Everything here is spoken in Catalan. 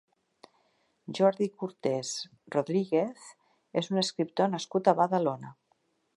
Jordi Cortès Rodríguez és un escriptor nascut a Badalona.